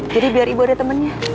jadi biar ibu ada temennya